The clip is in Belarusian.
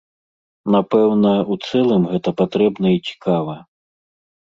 Напэўна, у цэлым гэта патрэбна і цікава.